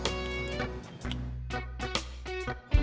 kenapa cewek cewek itu seneng sama aku